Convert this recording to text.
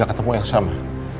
gak ketemu elsa ma